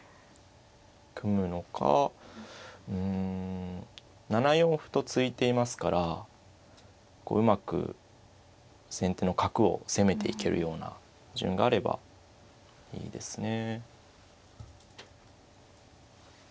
組むのかうん７四歩と突いていますからうまく先手の角を攻めていけるような順があればいいですね。